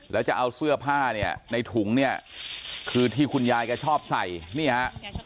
แล้วจะเอาเสื้อผ้าเนี่ยในถุงเนี่ยคือที่คุณยายแกชอบใส่นี่ฮะ